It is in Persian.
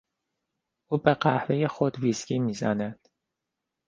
او به قهوهی خود ویسکی میزند.